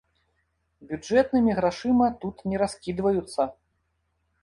Бюджэтнымі грашыма тут не раскідваюцца.